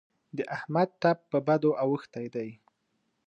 د احمد ټپ په بدو اوښتی دی.